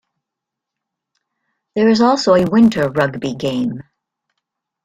There is also a winter rugby game.